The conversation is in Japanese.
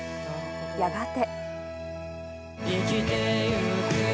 やがて。